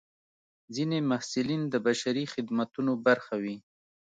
ځینې محصلین د بشري خدمتونو برخه وي.